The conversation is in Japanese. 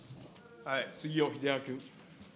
杉尾秀哉君。